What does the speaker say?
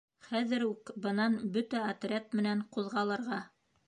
— Хәҙер үк бынан бөтә отряд менән ҡуҙғалырға!